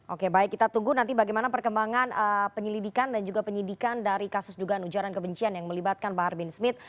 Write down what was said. oke baik kita tunggu nanti bagaimana perkembangan penyelidikan dan juga penyidikan dari kasus dugaan ujaran kebencian yang melibatkan bahar bin smith